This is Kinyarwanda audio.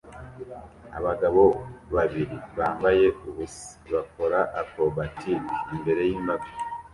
Abagabo babiri bambaye ubusa bakora acrobatic imbere yimbaga